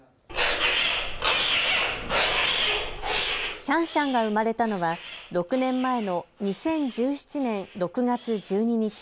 シャンシャンが生まれたのは６年前の２０１７年６月１２日。